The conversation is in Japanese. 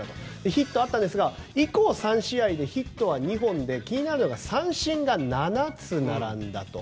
ヒットあったんですが以降、３試合でヒットは２本で、気になるのが三振が７つ並んだと。